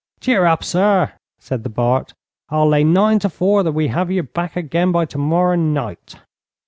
'Cheer up, sir,' said the Bart. 'I'll lay nine to four that we have you back again by tomorrow night.'